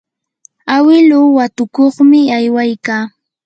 awiluu watukuqmi aywaykaa.